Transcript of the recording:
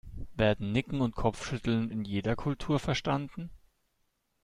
Werden Nicken und Kopfschütteln in jeder Kultur verstanden?